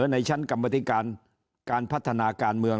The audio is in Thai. ในชั้นกรรมธิการการพัฒนาการเมือง